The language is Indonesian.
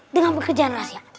dengan pekerjaan rahasia